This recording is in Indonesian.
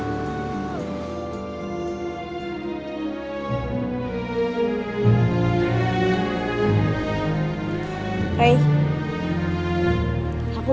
gak peduli lagi sama siapa